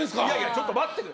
ちょっと待ってよ。